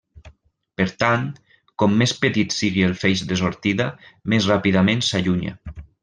Per tant, com més petit sigui el feix de sortida, més ràpidament s'allunya.